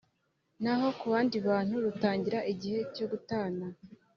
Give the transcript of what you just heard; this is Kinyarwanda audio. Naho ku bandi bantu rutangira igihe cyo gutana